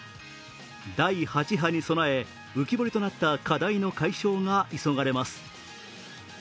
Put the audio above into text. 第８波に備え、浮き彫りとなった課題の解消が急がれます。